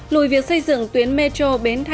lùi việc xây dựng tuyến metro